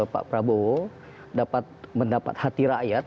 pak prabowo dapat mendapat hati rakyat